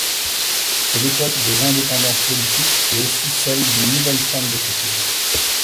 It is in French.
C'est l'époque des indépendances politiques et aussi celle d'une nouvelle forme d'écriture.